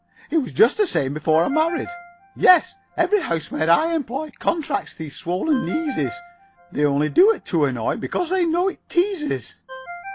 It was just the same before I married. Yes, every housemaid I employ. Contracts these swollen kneeses. They only do it to annoy. Because they know it teases."